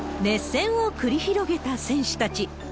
熱戦を繰り広げた選手たち。